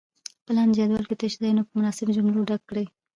په لاندې جدول کې تش ځایونه په مناسبو جملو ډک کړئ.